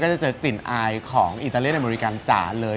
จะเจอกลิ่นอายของอิตาเลียอเมริกันจ๋าเลย